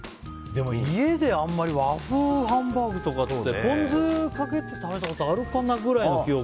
でも家であんまり和風ハンバーグとかってポン酢かけて食べたことあるかなぐらいの記憶。